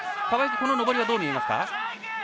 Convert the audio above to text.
川除の上りはどう見えますか？